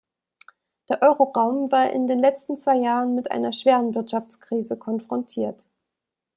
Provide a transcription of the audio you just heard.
Der Euroraum war in den letzten zwei Jahren mit einer schweren Wirtschaftskrise konfrontiert.